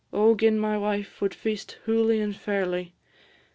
O gin my wife wad feast hooly and fairly!